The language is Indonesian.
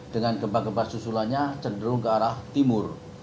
dengan gempa gempa susulannya cenderung ke arah timur